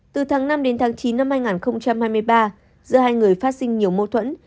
từ tháng năm đến tháng chín năm hai nghìn hai mươi ba giữa hai người phát sinh nhiều mâu thuẫn